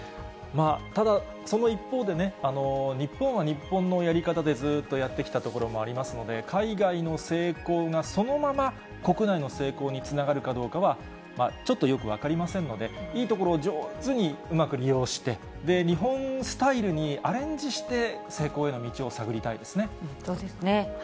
ただ、その一方で、日本は日本のやり方でずっとやってきたところもありますので、海外の成功がそのまま国内の成功につながるかどうかは、ちょっとよく分かりませんので、いいところを上手にうまく利用して、日本スタイルにアレンジして、そうですね。